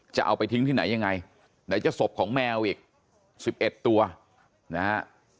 จะเอาไปทิ้งที่ไหนยังไงไหนจะศพของแมวอีก๑๑ตัวนะฮะ